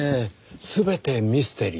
全てミステリー。